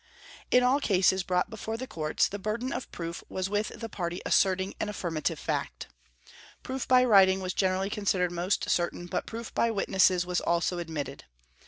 In all cases brought before the courts, the burden of proof was with the party asserting an affirmative fact. Proof by writing was generally considered most certain, but proof by witnesses was also admitted.